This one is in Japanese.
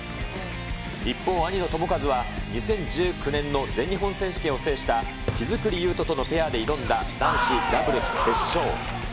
一方、兄の智和は、２０１９年の全日本選手権を制した、木造勇人とのペアで挑んだ男子ダブルス決勝。